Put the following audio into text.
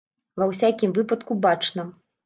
Ва ўсякім выпадку, бачна.